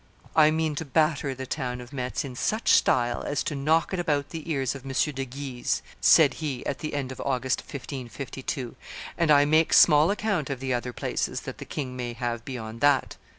"I mean to batter the town of Metz in such style as to knock it about the ears of M. de Guise," said he at the end of August, 1552, "and I make small account of the other places that the king may have beyond that."